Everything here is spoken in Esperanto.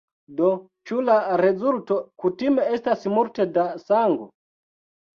Do ĉu la rezulto kutime estas multe da sango?